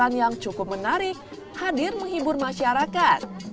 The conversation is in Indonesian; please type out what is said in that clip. dan yang cukup menarik hadir menghibur masyarakat